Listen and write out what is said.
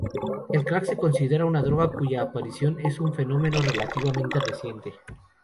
El crack se considera una droga cuya aparición es un fenómeno relativamente reciente.